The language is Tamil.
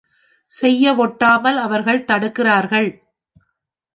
செய்யவொட்டாமல் அவர்கள் தடுக்கிறார்கள்.